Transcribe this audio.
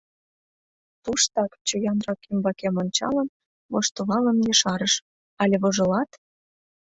— Туштак, чоянрак ӱмбакем ончалын, воштылалын ешарыш: — Але вожылат?